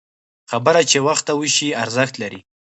خبره چې وخته وشي، ارزښت لري